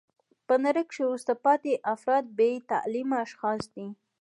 په نړۍ کښي وروسته پاته افراد بې تعلیمه اشخاص دي.